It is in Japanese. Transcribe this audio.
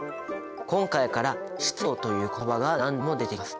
今回から質量という言葉が何度も出てきます。